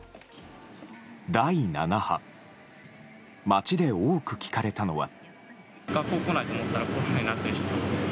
第７波街で多く聞かれたのは。